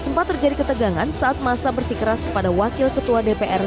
sempat terjadi ketegangan saat masa bersikeras kepada wakil ketua dpr